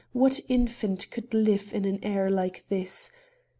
What infant could live in an air like this!